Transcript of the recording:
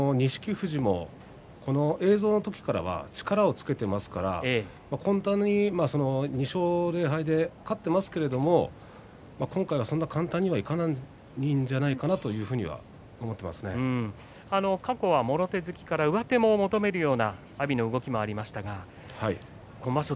富士もこの映像の時からは力をつけていますから２勝０敗で勝っていますけど今回はそんな簡単にはいかないんじゃないかなという過去はもろ手突きから上手も求めるような阿炎の動きもありましたが今場所